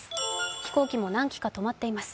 飛行機も何機か止まっています。